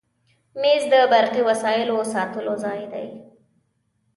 مېز د برقي وسایلو ساتلو ځای دی.